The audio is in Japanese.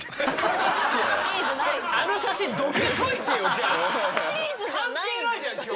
あの写真関係ないじゃん今日。